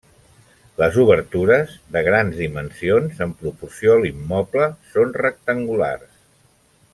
Les obertures, de grans dimensions en proporció a l'immoble, són rectangulars.